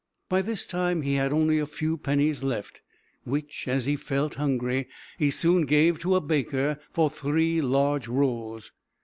By this time he had only a few pennies left, which, as he felt hungry, he soon gave to a baker for three large rolls.